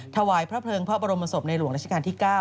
ถวายพระเพลิงพระบรมศพในหลวงราชการที่๙